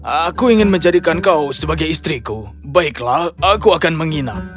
aku ingin menjadikan kau sebagai istriku baiklah aku akan menginap